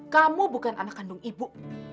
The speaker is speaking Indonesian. kamu bukan anak kandung ibu